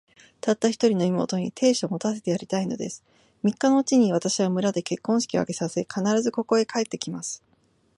たった一人の妹に、亭主を持たせてやりたいのです。三日のうちに、私は村で結婚式を挙げさせ、必ず、ここへ帰って来ます。